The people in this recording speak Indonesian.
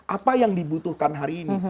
apa yang dibutuhkan hari ini